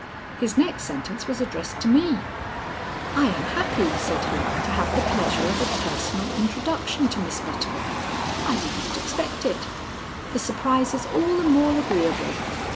His next sentence was addressed to me. "I am happy," said he, "to have the pleasure of a personal introduction to Miss Butterworth. I did not expect it. The surprise is all the more agreeable.